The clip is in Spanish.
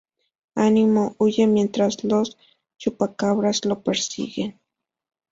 Animo huye mientras los Chupacabras lo persiguen.